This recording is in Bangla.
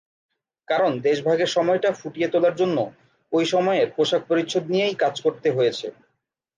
কারণ দেশভাগের সময়টা ফুটিয়ে তোলার জন্য ঐ সময়ের পোশাক-পরিচ্ছদ নিয়েই কাজ করতে হয়েছে।